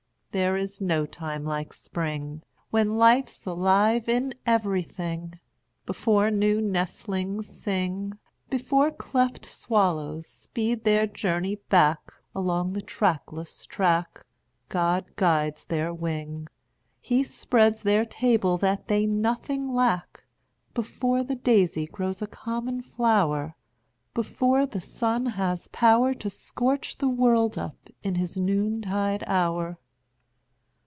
There is no time like Spring, When life's alive in everything, Before new nestlings sing, Before cleft swallows speed their journey back Along the trackless track, God guides their wing, He spreads their table that they nothing lack, Before the daisy grows a common flower, Before the sun has power To scorch the world up in his noontide hour.